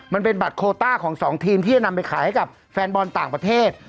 มันเป็นบัตรโคต้าของสองทีมที่จะนำไปขายให้กับแฟนบอลต่างประเทศ